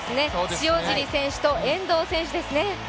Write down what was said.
塩尻選手と遠藤選手ですね。